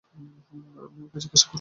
আপনি ওঁকেই জিজ্ঞাসা করুন-না।